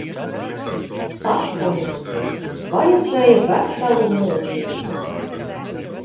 Ak kungs. Vajadzēja veselu mūžību.